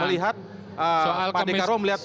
melihat pak dekarwo melihat